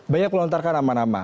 banyak melontarkan nama nama